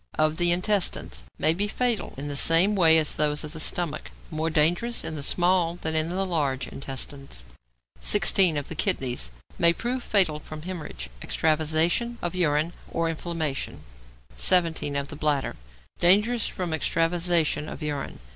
15. =Of the Intestines.= May be fatal in the same way as those of the stomach. More dangerous in the small than in the large intestines. 16. =Of the Kidneys.= May prove fatal from hæmorrhage, extravasation of urine, or inflammation. 17. =Of the Bladder.= Dangerous from extravasation of urine.